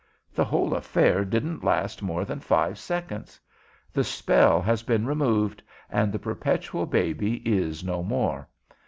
The whole affair didn't last more than five seconds. The spell has been removed, and the perpetual baby is no more.